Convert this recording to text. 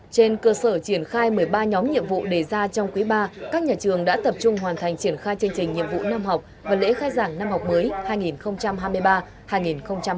trên cơ sở triển khai một mươi ba nhóm nhiệm vụ đề ra trong quý ba các nhà trường đã tập trung hoàn thành triển khai chương trình nhiệm vụ năm học và lễ khai giảng năm học mới hai nghìn hai mươi ba hai nghìn hai mươi bốn